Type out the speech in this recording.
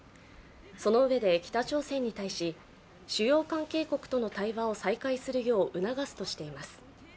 そのうえで北朝鮮に対し、主要関係国との対話を再開するよう促すとしています。